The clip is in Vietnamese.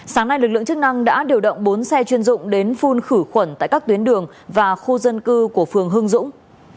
sáng nay lực lượng chức năng đã điều động bốn xe chuyên dụng đến phun khử khuẩn tại các tuyến đường và khu dân cư của phường hương dũng